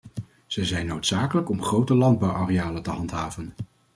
Zij zijn noodzakelijk om grote landbouwarealen te handhaven.